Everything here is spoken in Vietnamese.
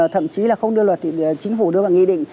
thậm chí là không đưa luật thì chính phủ đưa vào nghị định